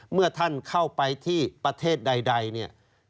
เมื่อท่านเข้าไปที่ประเทศใดเนี่ย